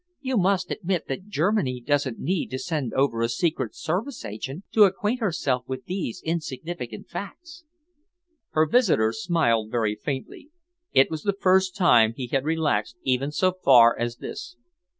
You must admit that Germany doesn't need to send over a Secret Service agent to acquaint herself with these insignificant facts." Her visitor smiled very faintly. It was the first time he had relaxed even so far as this.